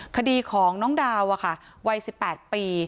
คดีของน้องดาววัย๑๘ปี